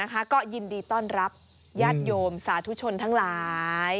ก็ยินดีต้อนรับญาติโยมสาธุชนทั้งหลาย